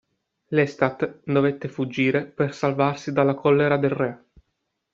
Lestat dovette fuggire per salvarsi dalla collera del Re.